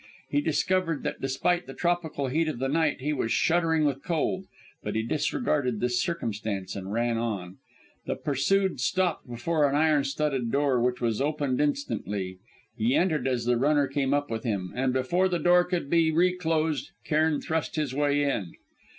He discovered that despite the tropical heat of the night, he was shuddering with cold, but he disregarded this circumstance, and ran on. The pursued stopped before an iron studded door, which was opened instantly; he entered as the runner came up with him. And, before the door could be reclosed, Cairn thrust his way in.